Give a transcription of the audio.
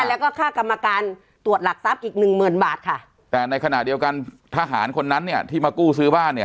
แล้วก็ค่ากรรมการตรวจหลักทรัพย์อีกหนึ่งหมื่นบาทค่ะแต่ในขณะเดียวกันทหารคนนั้นเนี่ยที่มากู้ซื้อบ้านเนี่ย